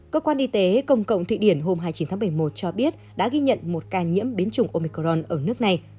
cơ quan y tế công cộng thụy điển hôm hai mươi chín tháng một mươi một cho biết đã ghi nhận một ca nhiễm biến chủng omicron ở nước này